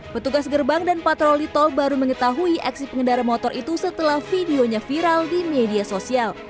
petugas gerbang dan patroli tol baru mengetahui aksi pengendara motor itu setelah videonya viral di media sosial